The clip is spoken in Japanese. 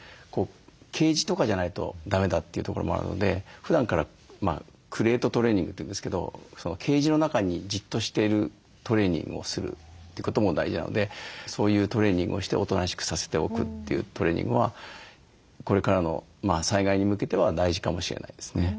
ケージとかじゃないとだめだというところもあるのでふだんからクレートトレーニングというんですけどケージの中にじっとしているトレーニングをするということも大事なのでそういうトレーニングをしておとなしくさせておくというトレーニングはこれからの災害に向けては大事かもしれないですね。